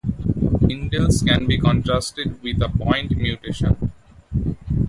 Indels can be contrasted with a point mutation.